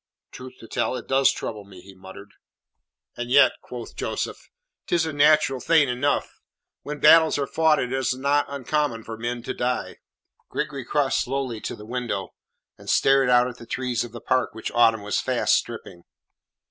"Truth to tell it does trouble me," he muttered. "And yet," quoth Joseph, "tis a natural thing enough. When battles are fought it is not uncommon for men to die." Gregory crossed slowly to the window, and stared out at the trees of the park which autumn was fast stripping.